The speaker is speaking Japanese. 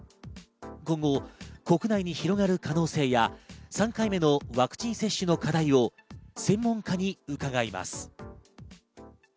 今後、国内に広がる可能性や３回目のワクチン接種の課題を専門家に伺います。